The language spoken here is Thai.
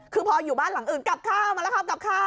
คือพออยู่บ้านหลังอื่นกลับข้าวมาแล้วครับกลับข้าว